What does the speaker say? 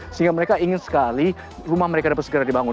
sehingga mereka ingin sekali rumah mereka dapat segera dibangun